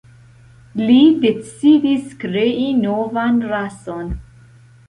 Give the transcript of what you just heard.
Li decidis krei novan rason.